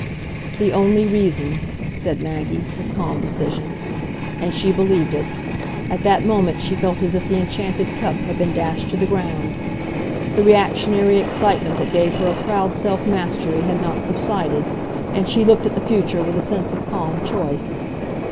"The only reason," said Maggie, with calm decision. And she believed it. At that moment she felt as if the enchanted cup had been dashed to the ground. The reactionary excitement that gave her a proud self mastery had not subsided, and she looked at the future with a sense of calm choice.